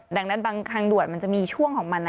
ดังนั้นบางทางด่วนมันจะมีช่วงของมัน